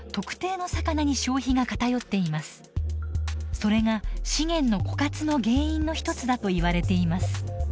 それが資源の枯渇の原因の一つだといわれています。